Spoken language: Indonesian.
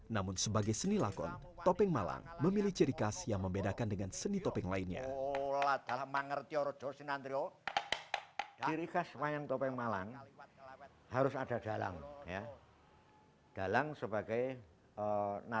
tapi jika kita lihat di jawa tengah kita bisa melihat bahwa jenis topeng ini memang ada di wilayah lain seperti jawa barat dan jawa tengah